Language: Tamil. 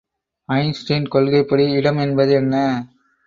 ஐன்ஸ்டீன் கொள்கைப்படி இடம் என்பது என்ன?